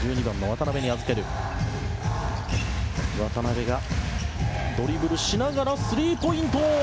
渡邊、ドリブルしながらスリーポイント！